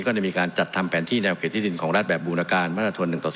ก็ได้มีการจัดทำแผนที่แนวเขตที่ดินของรัฐแบบบูรการมาตร๑ต่อ๒